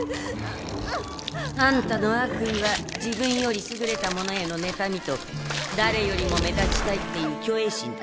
あんたの悪意は自分よりすぐれたものへのねたみとだれよりも目立ちたいっていう虚栄心だ。